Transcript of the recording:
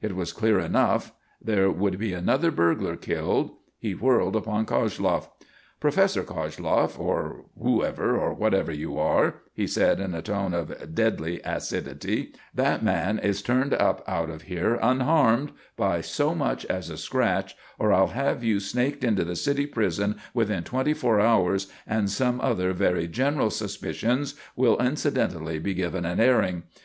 It was clear enough. There would be another burglar killed. He wheeled upon Koshloff. "Professor Koshloff, or whoever or whatever you are," he said in a tone of deadly acidity, "that man is turned up out of here unharmed by so much as a scratch, or I'll have you snaked into the city prison within twenty four hours, and some other very general suspicions will incidentally be given an airing.